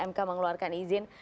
mk mengeluarkan izin